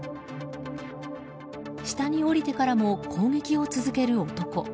下に下りてからも攻撃を続ける男。